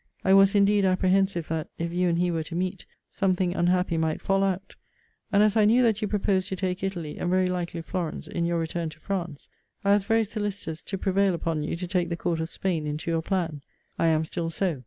I was indeed apprehensive that, if you and he were to meet, something unhappy might fall out; and as I knew that you proposed to take Italy, and very likely Florence, in your return to France, I was very solicitous to prevail upon you to take the court of Spain into your plan. I am still so.